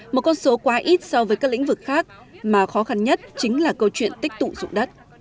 một con số quá ít so với các lĩnh vực khác mà khó khăn nhất chính là câu chuyện tích tụ dụng đất